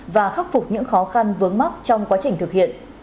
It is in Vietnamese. và khắc phục những khó khăn vướng mắc trong quá trình thực hiện